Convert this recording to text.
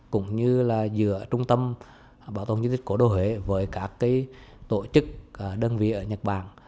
cũng như là giữa trung tâm bảo tồn di tích cổ đô huế với các tổ chức đơn vị ở nhật bản